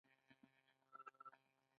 دوی د زورورو زور په اوبو کې لاهو کوي.